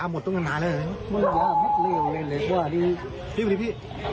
พี่พี่พี่